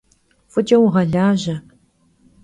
F'ıç'e vuğelaje!